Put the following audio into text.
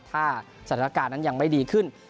ถ้าสถานการณ์นั้นยังไม่ดีขึ้น